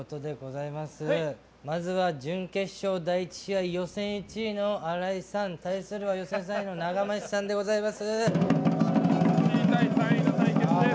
まずは準決勝、第１試合予選１位の荒井さん対するは予選３位の長町さんでございます。